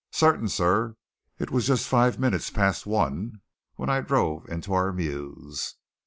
"Certain, sir. It was just five minutes past one when I drove into our mews."